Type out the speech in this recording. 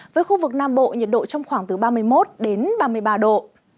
với khu vực nam bộ nhiệt độ trong khoảng từ ba mươi một đến ba mươi ba độ